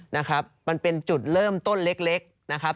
นะครับมันเป็นจุดเริ่มต้นเล็กนะครับ